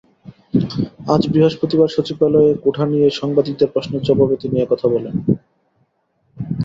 আজ বৃহস্পতিবার সচিবালয়ে কোটা নিয়ে সাংবাদিকদের প্রশ্নের জবাবে তিনি এ কথা বলেন।